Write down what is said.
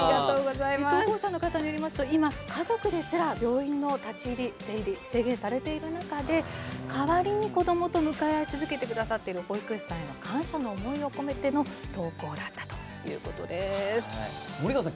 投稿者さんによりますと今、家族ですら病院の立ち入り出入りが制限されている中で代わりに子どもと向かい合い続けてくれている保育士さんへの感謝の思いを込めての投稿だったということです。